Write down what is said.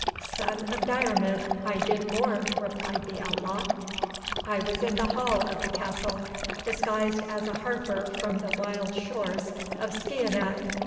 "Son of Diarmid, I did more," replied the outlaw; "I was in the hall of the castle, disguised as a harper from the wild shores of Skianach.